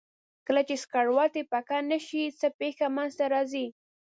کله چې سکروټې پکه نه شي څه پېښه منځ ته راځي؟